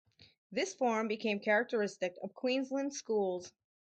This form became characteristic of Queensland schools.